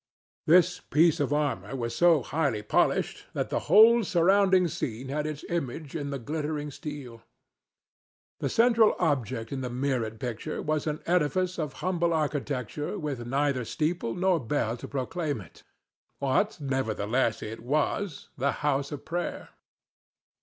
This piece of armor was so highly polished that the whole surrounding scene had its image in the glittering steel. The central object in the mirrored picture was an edifice of humble architecture with neither steeple nor bell to proclaim it—what, nevertheless, it was—the house of prayer.